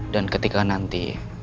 dan ketika nanti